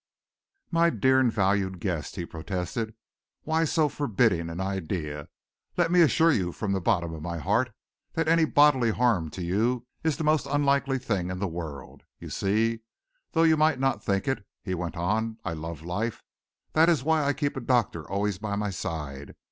"My dear and valued guest," he protested, "why so forbidding an idea? Let me assure you from the bottom of my heart that any bodily harm to you is the most unlikely thing in the world. You see, though you might not think it," he went on, "I love life. That is why I keep a doctor always by my side.